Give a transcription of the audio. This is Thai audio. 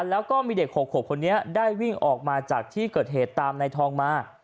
แล้วก็มีเด็ก๖ขวบคนนี้ได้วิ่งออกมาจากที่เกิดเหตุตามในทองมา